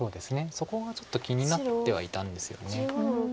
そこがちょっと気になってはいたんですよね。